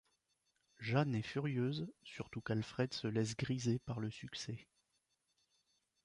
Jeanne est furieuse, surtout qu'Alfred se laisse griser par le succès.